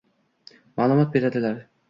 ma’lumot beradilar.